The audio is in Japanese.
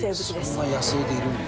そんな野生でいるんだ。